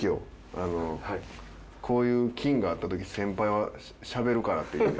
あのこういう金があった時先輩はしゃべるからっていう。